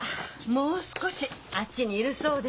もう少しあっちにいるそうです。